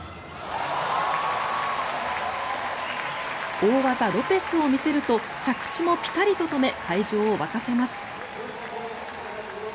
大技ロペスを見せると着地もピタリと止め会場を沸かせます。